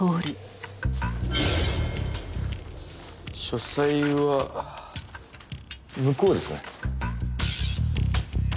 書斎は向こうですね。